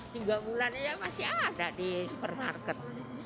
tiga bulan saja masih ada di supermarket